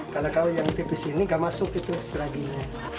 kalau yang tipis ini gak masuk itu siraginya